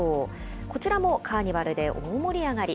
こちらもカーニバルで大盛り上がり。